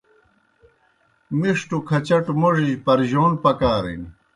مِݜٹوْ کھچٹوْ موڙِجیْ پرجون پکارِن۔